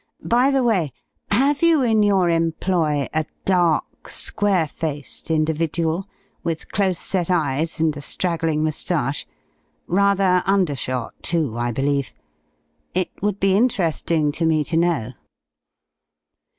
By the way, have you, in your employ, a dark, square faced individual, with close set eyes and a straggling moustache? Rather undershot, too, I believe? It would be interesting to me to know."